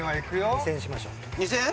２０００円にしましょう２０００円？